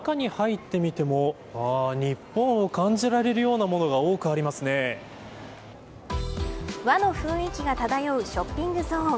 中に入ってみても日本を感じられるようなものが和の雰囲気が漂うショッピングゾーン。